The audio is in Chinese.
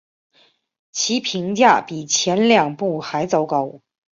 其评价比前两部还糟糕。